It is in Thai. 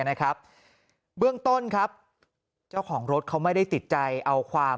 เบื้องต้นครับเจ้าของรถเขาไม่ได้ติดใจเอาความ